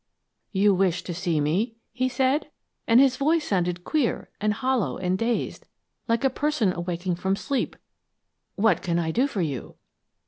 "'You wished to see me?' he said, and his voice sounded queer and hollow and dazed, like a person awaking from sleep. 'What can I do for you?'